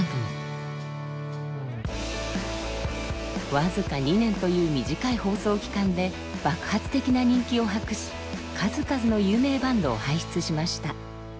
僅か２年という短い放送期間で爆発的な人気を博し数々の有名バンドを輩出しました。